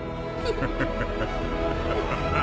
ハハハハ！